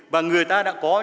và người ta đang thực hiện